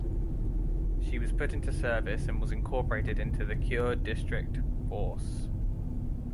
She was put into service and was incorporated into the Kure District Force.